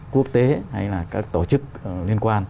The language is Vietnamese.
quốc tế hay là các tổ chức liên quan